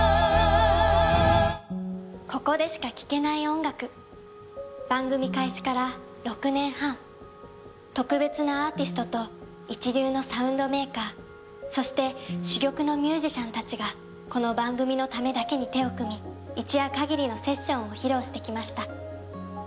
ここでしか聴けない音楽番組開始から６年半特別なアーティストと一流のサウンドメーカーそして珠玉のミュージシャンたちがこの番組のためだけに手を組み一夜限りのセッションを披露してきました